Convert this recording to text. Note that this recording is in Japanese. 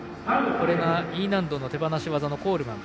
Ｅ難度の手放し技のコールマン。